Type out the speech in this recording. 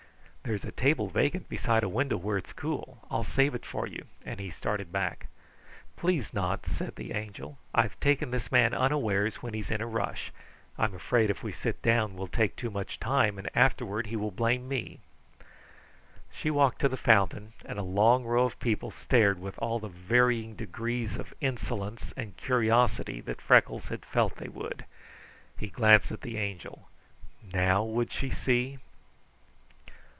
"There's a table vacant beside a window where it is cool. I'll save it for you," and he started back. "Please not," said the Angel. "I've taken this man unawares, when he's in a rush. I'm afraid if we sit down we'll take too much time and afterward he will blame me." She walked to the fountain, and a long row of people stared with all the varying degrees of insolence and curiosity that Freckles had felt they would. He glanced at the Angel. NOW would she see?